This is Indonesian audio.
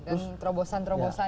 terus terobosan terobosannya ya